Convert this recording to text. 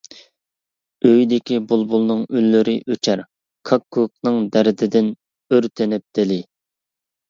ئۆيدىكى بۇلبۇلنىڭ ئۈنلىرى ئۆچەر، كاككۇكنىڭ دەردىدىن ئۆرتىنىپ دىلى.